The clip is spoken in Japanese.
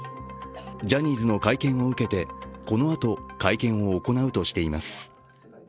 ジャニーズの会見を受けてこのあと、会見を行うとしています。